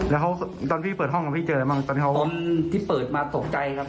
แล้วตอนพี่เปิดห้องของพี่เจออะไรบ้างตอนที่เขาตอนที่เปิดมาตกใจครับ